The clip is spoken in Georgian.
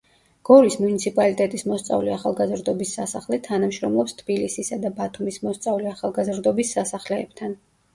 გორის მუნიციპალიტეტის მოსწავლე ახალგაზრდობის სასახლე თანამშრომლობს თბილისისა და ბათუმის მოსწავლე ახალგაზრდობის სასახლეებთან.